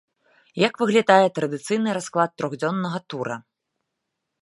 Як выглядае традыцыйны расклад трохдзённага тура?